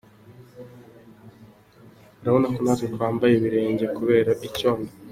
Urabona ko natwe ubu twambaye ibirenge kubera icyondo.